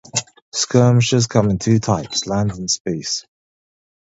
Skirmishes come in two types: land and space.